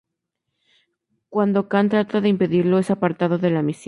Cuando Khan trata de impedirlo, es apartado de la misión.